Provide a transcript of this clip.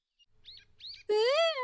うん。